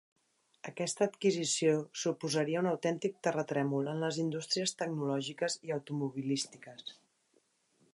Aquesta adquisició suposaria un autèntic terratrèmol en les indústries tecnològiques i automobilístiques.